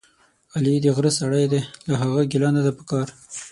علي دغره سړی دی، له هغه ګیله نه ده پکار.